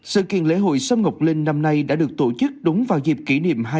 sự kiện lễ hội sông ngọc linh năm nay đã được tổ chức đúng vào dịp kỷ niệm